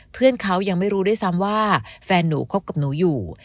เพื่อนเขายังไม่รู้ด้วยซ้ำว่าแฟนหนูคบกับหนูอยู่